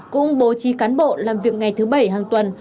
cũng bố trí cán bộ làm việc ngày thứ bảy hàng tuần